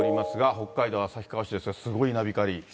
北海道旭川市ですが、すごい。